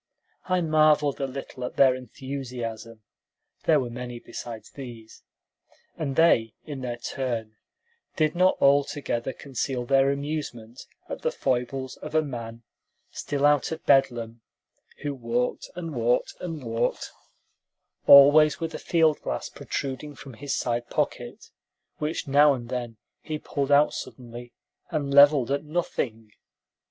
I marveled a little at their enthusiasm (there were many beside these), and they, in their turn, did not altogether conceal their amusement at the foibles of a man, still out of Bedlam, who walked and walked and walked, always with a field glass protruding from his side pocket, which now and then he pulled out suddenly and leveled at nothing.